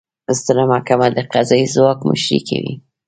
ستره محکمه د قضایي ځواک مشري کوي